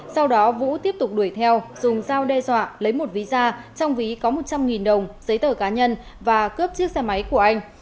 sau đó vũ tiếp tục đuổi theo dùng dao đe dọa lấy một ví da trong ví có một trăm linh đồng giấy tờ cá nhân và cướp chiếc xe máy của anh